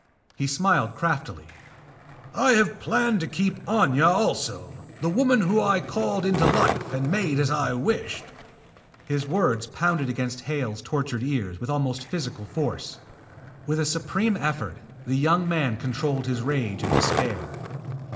He smiled craftily. "I have planned to keep Aña also, the woman whom I called into life and made as I wished." His words pounded against Hale's tortured ears with almost physical force. With a supreme effort, the young man controlled his rage and despair.